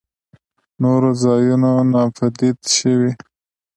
نورو ځايونو ناپديد شوي.